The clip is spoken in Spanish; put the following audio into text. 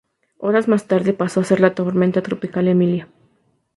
Horas más tarde paso a ser la Tormenta Tropical Emilia.